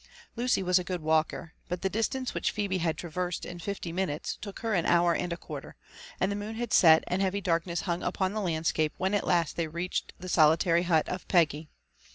Lucy was a good walker, but the distance which Phebe had traversed in fifty minutes took her an hour and a quarter, and the moon had set and heavy darkness hung upon the landscape when at hst they reached the solitary hut of Peggy.